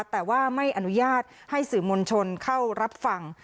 แต่ว่าไม่อนุญาตให้สื่อมวลชนเข้ารับฟัง